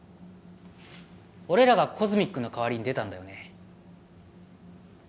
俺らがＣＯＳＭＩＣの代わりに出たんだよね